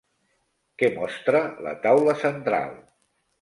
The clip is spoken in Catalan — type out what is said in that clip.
Què mostra la taula central?